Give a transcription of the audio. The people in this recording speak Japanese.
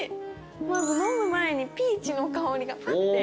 まず飲む前にピーチの香りがふわって。